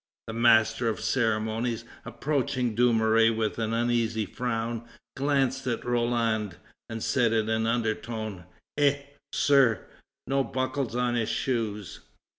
The master of ceremonies, approaching Dumouriez with an uneasy frown, glanced at Roland, and said in an undertone, "Eh! sir, no buckles on his shoes!"